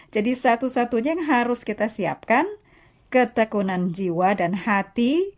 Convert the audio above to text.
jadi satu satunya yang harus kita siapkan ketekunan jiwa dan hati